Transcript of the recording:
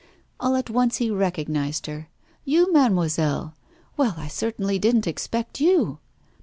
All at once he recognised her. 'You, mademoiselle? Well, I certainly didn't expect you!